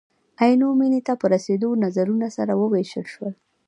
عینو مینې ته په رسېدلو نظرونه سره ووېشل شول.